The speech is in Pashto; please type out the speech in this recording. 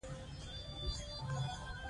ږغ ژبه ده